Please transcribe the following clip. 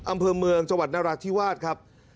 อำเภอเมืองจังหวัดนราธิวาสครับ